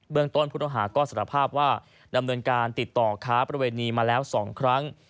ต้นผู้ต้องหาก็สารภาพว่าดำเนินการติดต่อค้าประเวณีมาแล้ว๒ครั้ง